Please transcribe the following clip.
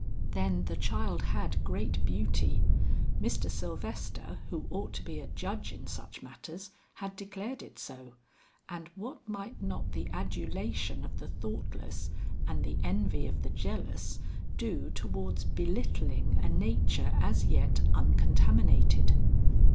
Then the child had great beauty; Mr. Sylvester who ought to be a judge in such matters had declared it so, and what might not the adulation of the thoughtless and the envy of the jealous, do towards belittling a nature as yet uncontaminated.